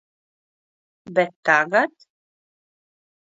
Bet tagad...